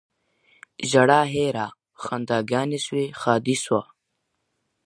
ژړا هېره خنداګاني سوی ښادي سوه